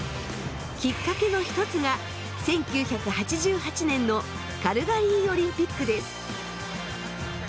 きっかけの一つが１９８８年のカルガリーオリンピックです。